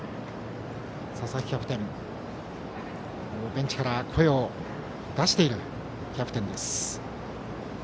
佐々木キャプテン、ベンチから声を出しているキャプテンです。